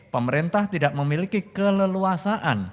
pemerintah tidak memiliki keleluasaan